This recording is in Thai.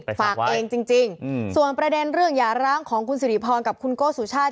ฝากเองจริงส่วนประเด็นเรื่องอย่าร้างของคุณสิริพรกับคุณโก้สุชาติ